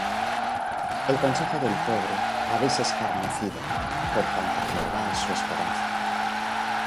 El consejo del pobre habéis escarnecido, Por cuanto Jehová es su esperanza.